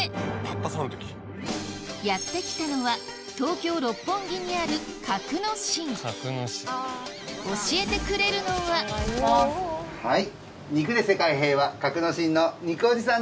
やってきたのは東京・六本木にある教えてくれるのははい。